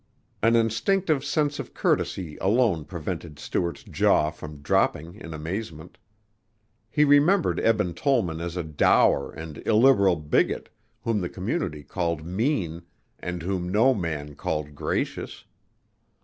An instinctive sense of courtesy alone prevented Stuart's jaw from dropping in amazement. He remembered Eben Tollman as a dour and illiberal bigot whom the community called mean and whom no man called gracious.